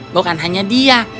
bukan hanya dia